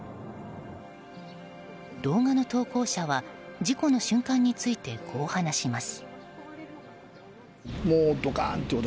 動画の投稿者は事故の瞬間についてこう話します。